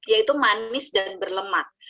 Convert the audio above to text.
yaitu manis dan berlemak